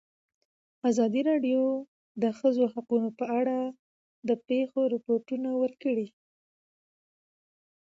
ازادي راډیو د د ښځو حقونه په اړه د پېښو رپوټونه ورکړي.